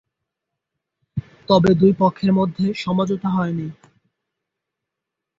তবে, দুই পক্ষের মধ্যে সমঝোতা হয়নি।